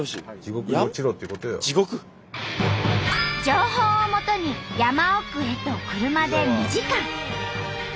情報をもとに山奥へと車で２時間。